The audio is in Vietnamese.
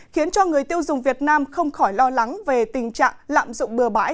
khiến cho người tiêu dùng việt nam không khỏi lo lắng về tình trạng lạm dụng bừa bãi